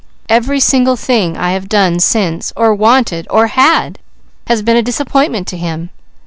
Every single thing I have done since, or wanted or had, has been a disappointment to him.